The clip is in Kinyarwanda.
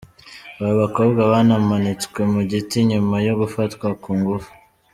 Abo bakobwa banamanitswe mu giti nyuma yo gufatwa ku ngufu.